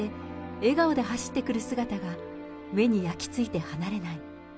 笑顔で走ってくる姿が、目に焼きついて離れない。